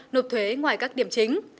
nộp thuế ngoài các điểm chính